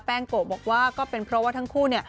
งโกะบอกว่าก็เป็นเพราะว่าทั้งคู่เนี่ย